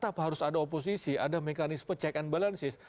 tetap harus ada oposisi ada mekanisme check and balances